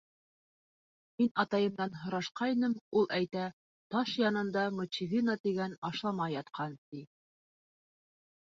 — Мин атайымдан һорашҡайным, ул әйтә, таш янында мочевина тигән ашлама ятҡан, ти.